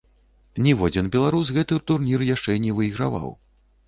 Ніводзін беларус гэты турнір яшчэ не выйграваў.